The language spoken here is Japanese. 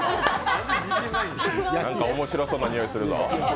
なんか面白そうなにおいするぞ。